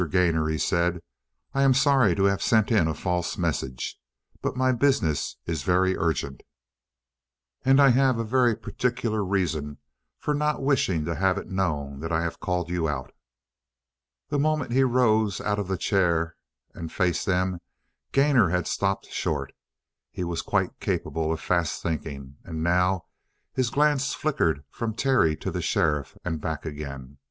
Gainor," he said, "I'm sorry to have sent in a false message. But my business is very urgent, and I have a very particular reason for not wishing to have it known that I have called you out." The moment he rose out of the chair and faced them, Gainor had stopped short. He was quite capable of fast thinking, and now his glance flickered from Terry to the sheriff and back again.